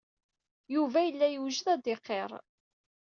Yuba yella yewjed ad d-iqirr.